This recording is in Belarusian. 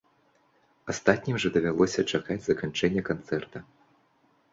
Астатнім жа давялося чакаць заканчэння канцэрта.